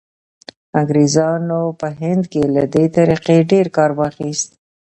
انګریزانو په هند کې له دې طریقې ډېر کار واخیست.